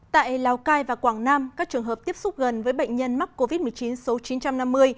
tại lào cai và quảng nam các trường hợp tiếp xúc gần với bệnh nhân mắc covid một mươi chín số chín trăm năm mươi